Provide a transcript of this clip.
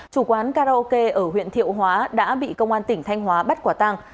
chủ quán karaoke ở huyện thiệu hóa đã bị công an tỉnh thanh hóa bắt quả tàng